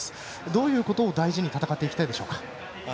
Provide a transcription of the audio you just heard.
どういうことを大事に戦っていきたいでしょうか。